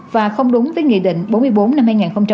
và không đúng với nghị định bốn mươi bốn năm hai nghìn một mươi chín